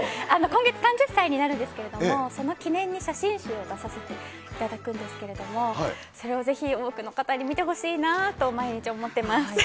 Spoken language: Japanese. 今月３０歳になるんですけれども、その記念に写真集を出させていただくんですけれども、それをぜひ多くの方に見てほしいなと毎日思ってます。